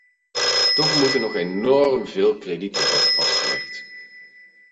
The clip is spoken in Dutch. Toch moeten nog enorm veel kredieten worden vastgelegd.